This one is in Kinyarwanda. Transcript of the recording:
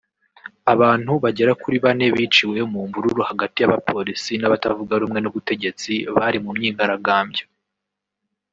Abantu bagera kuri bane biciwe mu mvururu hagati y’abapolisi n’abatavuga rumwe n’ubutegetsi bari mu myigaragambyo